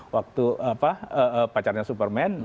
waktu pacarnya superman